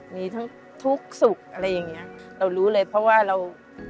มีทั้งทุกข์สุขอะไรอย่างเงี้ยเรารู้เลยเพราะว่าเรา